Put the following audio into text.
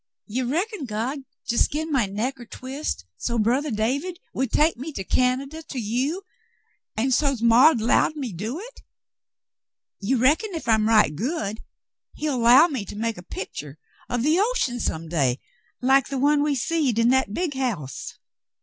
"You reckon God just gin my neck er twist so't brothah David would take me to Canada to you, an' so't maw'd 'low me to go ? You reckon if I'm right good, He'll 'low me 252 The Mountain Girl to make a picture o' th' ocean some day, like the one we seed in that big house